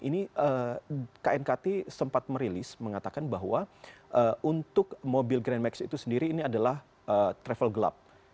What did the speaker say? ini knkt sempat merilis mengatakan bahwa untuk mobil grand max itu sendiri ini adalah travel gelap